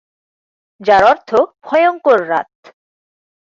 যার অর্থ ভয়ঙ্কর রাত।